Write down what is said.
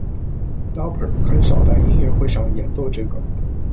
Lauper 很少在音乐会上演奏这个。